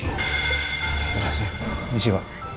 terima kasih pak